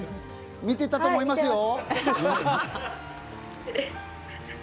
見てたとは思いますよ。